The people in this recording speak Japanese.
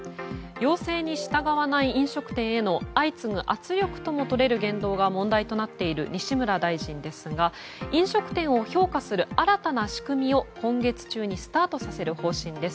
要請に従わない飲食店への相次ぐ圧力ともとれる言動が問題となっている西村大臣ですが飲食店を評価する新たな仕組みを今月中にスタートさせる方針です。